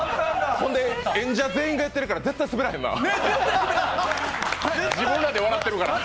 演者全員がやってるから絶対スベらへんわ。